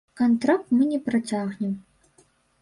Кантракт мы не працягнем.